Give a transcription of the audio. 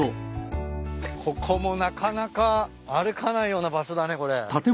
ここもなかなか歩かないような場所だねこれ。